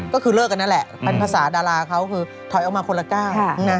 ก็คือเลิกกันนั่นแหละเป็นภาษาดาราเขาคือถอยออกมาคนละก้าว